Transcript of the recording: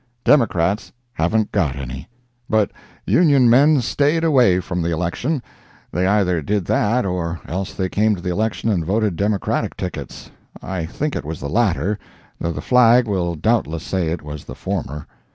Democrats haven't got any. But Union men staid away from the election—they either did that or else they came to the election and voted Democratic tickets—I think it was the latter, though the Flag will doubtless say it was the former.